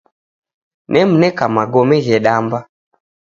Nemneka magome ghedamba.